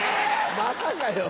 またかよ。